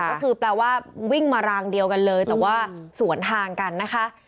ก็คือแปลว่าวิ่งมารางเดียวกันเลยแต่ว่าสวนทางกันนะคะ